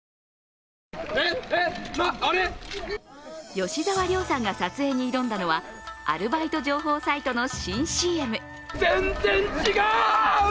吉沢亮さんが撮影に挑んだのはアルバイト情報サイトの新ＣＭ。